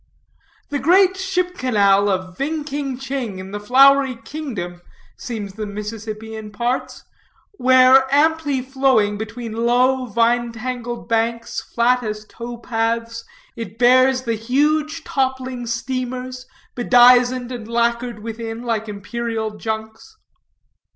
The great ship canal of Ving King Ching, in the Flowery Kingdom, seems the Mississippi in parts, where, amply flowing between low, vine tangled banks, flat as tow paths, it bears the huge toppling steamers, bedizened and lacquered within like imperial junks.